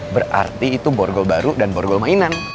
berarti itu borgol baru dan borgol mainan